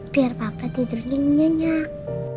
biar papa tidurnya nyanyak